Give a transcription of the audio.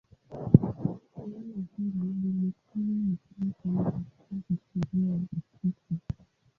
Suala hili limekuwa muhimu sana katika historia ya Ukristo.